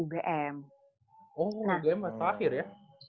oh ugm yang terakhir ya